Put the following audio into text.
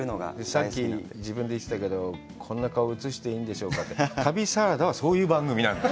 さっき自分で言ってたけど、こんな顔、映していいんでしょうかって、旅サラダはそういう番組なの。